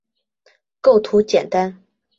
构图简单